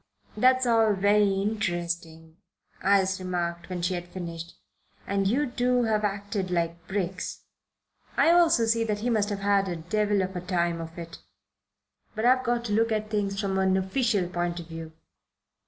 "That's all very interesting," Ayres remarked when she had finished, "and you two have acted like bricks. I also see that he must have had a devil of a time of it. But I've got to look at things from an official point of view."